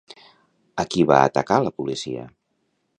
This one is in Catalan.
A qui va atacar la policia?